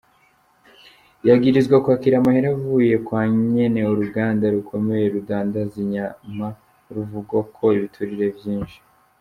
Yagirizwa kwakira amahera avuye kwa nyene uruganda rukomeye rudandaza inyama ruvugwako ibiturire vyinshi.